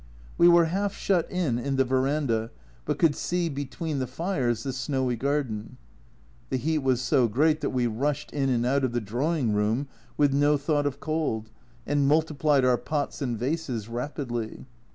We were half shut in in the verandah, but could see between the fires the snowy garden. The heat was so great that we rushed in and out of the drawing room with no thought of cold, and multiplied our pots and vases rapidly.